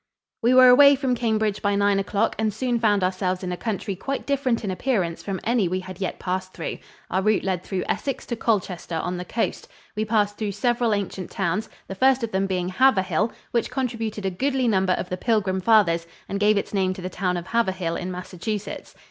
We were away from Cambridge by nine o'clock and soon found ourselves in a country quite different in appearance from any we had yet passed through. Our route led through Essex to Colchester on the coast. We passed through several ancient towns, the first of them being Haverhill, which contributed a goodly number of the Pilgrim Fathers and gave its name to the town of Haverhill in Massachusetts.